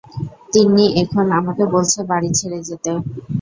তিন্নি এখন আমাকে বলছে বাড়ি ছেড়ে যেতে।